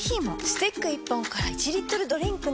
スティック１本から１リットルドリンクに！